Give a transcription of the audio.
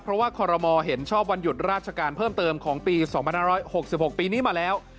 เพราะว่าคอรมอลเห็นชอบวันหยุดราชการเพิ่มเติมของปี๒๕๖๖ปีนี้มาแล้ว